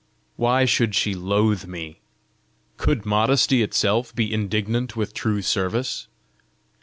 Why should she loathe me? Could modesty itself be indignant with true service?